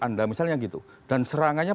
anda misalnya gitu dan serangannya